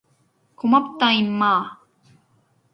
고맙다 임마.